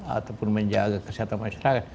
ataupun menjaga kesehatan masyarakat